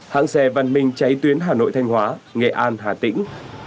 hãng xe văn minh cháy tuyến hà nội thanh hóa nghệ an hà tĩnh